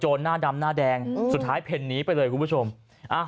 หน้าดำหน้าแดงสุดท้ายเพ่นนี้ไปเลยคุณผู้ชมอ่ะ